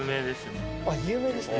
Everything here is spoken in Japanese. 有名ですか。